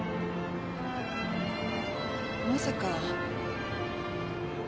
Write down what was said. まさか。